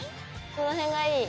この辺がいい。